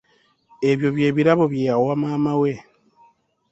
Ebyo bye birabo bye yawa maama we.